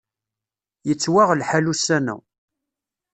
Yettwaɣ lḥal ussan-a.